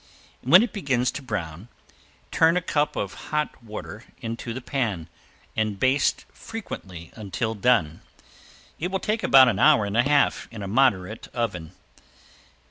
When it begins to brown, turn a cup of hot water into the pan and baste frequently until done. It will take about an hour and a half in a moderate oven.